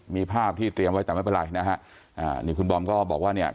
มีภาพที่เตรียมไว้แต่ไม่เป็นไรนะฮะอ่านี่คุณบอมก็บอกว่าเนี่ย